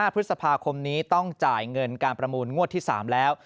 พฤษภาคมนี้ต้องจ่ายเงินการประมูลงวดที่๓แล้ว